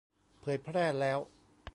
เผยแพร่แล้ว !